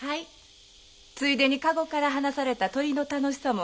ついでに籠から放された鳥の楽しさも分かりました。